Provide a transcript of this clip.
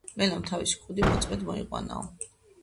მელამ თავისი კუდი მოწმედ მოიყვანაო.